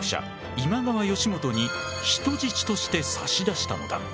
今川義元に人質として差し出したのだ！